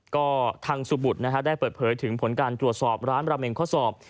ก็ทางสุบุตรได้เปิดเผยถึงผลการตรวจสอบร้านราเมงข้อสอบ